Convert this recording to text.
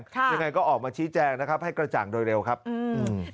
ยังไงก็ออกมาชี้แจงนะครับให้กระจ่างโดยเร็วครับอืม